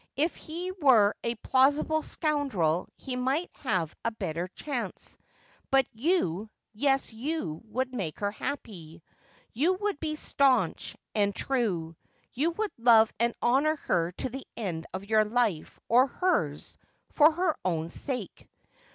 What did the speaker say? If he were a plausible scoundrel he might have a better chance. But you — yes, you would make her happy. You would be staunch and true. You would love and honour her to the end of your life or hers, for her own sake.